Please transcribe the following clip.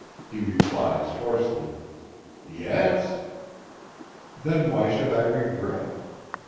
He replies hoarsely: "Yes." "Then why should I regret?"